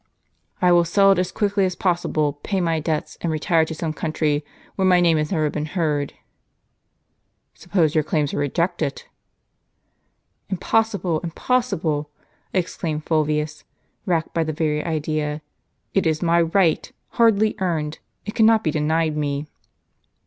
" I will sell it as quick as possible, pay my debts, and retire to some country where my name has never been heard." " Suppose your claims are rejected? " "Impossible, impossible!" exclaimed Fulvius, racked by the very idea; "it is my right, hardly earned. It cannot be denied me."